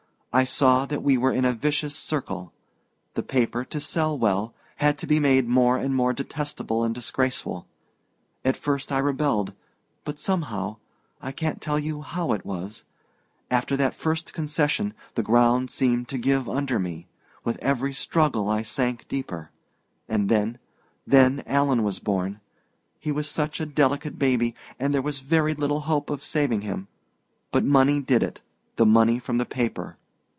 I saw that we were in a vicious circle. The paper, to sell well, had to be made more and more detestable and disgraceful. At first I rebelled but somehow I can't tell you how it was after that first concession the ground seemed to give under me: with every struggle I sank deeper. And then then Alan was born. He was such a delicate baby that there was very little hope of saving him. But money did it the money from the paper.